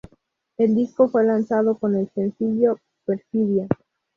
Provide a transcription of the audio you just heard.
El disco fue lanzado con el sencillo "Perfidia".